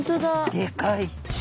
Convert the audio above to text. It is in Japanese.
でかい！